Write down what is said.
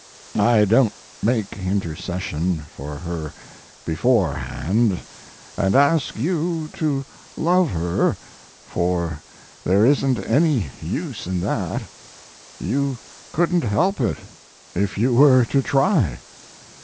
I don't make intercession for her beforehand, and ask you to love her, for there isn't any use in that you couldn't help it if you were to try.